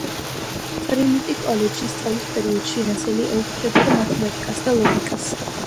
ტრინიტი–კოლეჯში სწავლის პერიოდში რასელი ეუფლებოდა მათემატიკას და ლოგიკას.